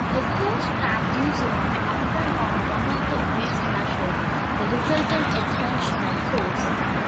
A force transducer mounted on one of the wheels measures the resultant extensional force.